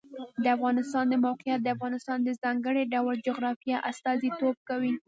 د افغانستان د موقعیت د افغانستان د ځانګړي ډول جغرافیه استازیتوب کوي.